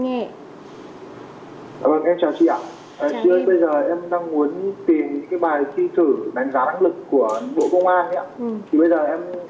chưa bây giờ em đang muốn tìm cái bài thi thử đánh giá đáng lực của bộ công an nhé